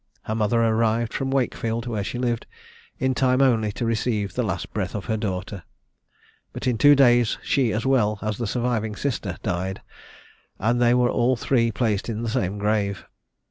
Her mother arrived from Wakefield, where she lived, in time only to receive the last breath of her daughter, but in two days, she, as well as the surviving sister, died, and they were all three placed in the same grave.